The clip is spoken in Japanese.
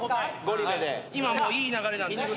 今いい流れなんで。